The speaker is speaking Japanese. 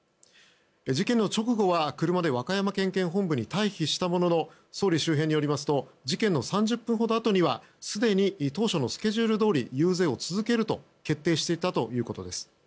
事件の直後は車で和歌山県警本部に退避したものの総理周辺によりますと事件の３０分ほどあとにはすでに当初のスケジュールどおり遊説を続けると決定していたということです。